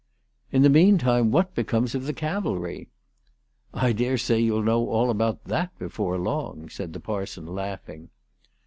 " In the meantime what becomes of the cavalry ?"" I dare say you'll know all about that before long," said the parson laughing.